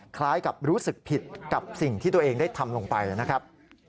คล้ายกับรู้สึกผิดกับสิ่งที่ตัวเองได้ทำลงไปนะครับ